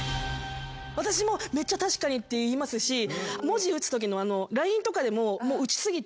私もめっちゃ「確かに」って言いますし文字打つときのＬＩＮＥとかでも打ち過ぎて。